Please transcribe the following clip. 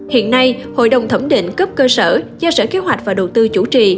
hiện nay hội đồng thẩm định cấp cơ sở do sở kế hoạch và đầu tư chủ trì